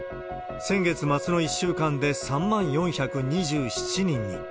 先月末の１週間で３万４２７人に。